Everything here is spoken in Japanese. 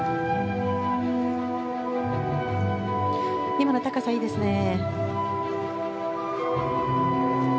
今の、高さいいですね。